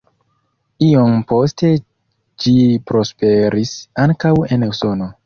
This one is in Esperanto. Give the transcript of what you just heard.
Iom poste ĝi prosperis ankaŭ en Usono.